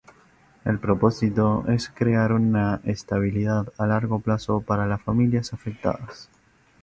El propósito es crear una estabilidad a largo plazo para las familias afectadas.